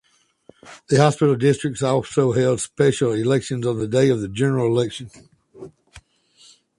Two hospital districts also held special elections on the day of the general election.